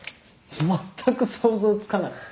まったく想像つかない。